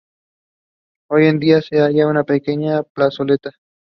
Hoy día, se halla una pequeña plazoleta.